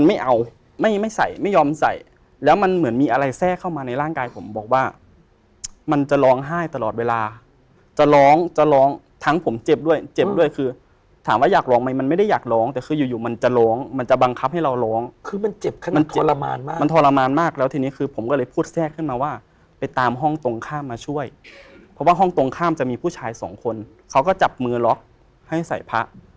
ไม่ใส่ไม่ยอมใส่แล้วมันเหมือนมีอะไรแทรกเข้ามาในร่างกายผมบอกว่ามันจะร้องไห้ตลอดเวลาจะร้องจะร้องทั้งผมเจ็บด้วยเจ็บด้วยคือถามว่าอยากร้องมันไม่ได้อยากร้องแต่คืออยู่มันจะร้องมันจะบังคับให้เราร้องคือมันเจ็บขึ้นทรมานมากมันทรมานมากแล้วทีนี้คือผมก็เลยพูดแทรกขึ้นมาว่าไปตามห้องตรงข้ามมาช่วยเพราะ